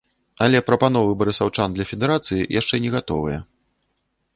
Але прапановы барысаўчан для федэрацыі яшчэ не гатовыя.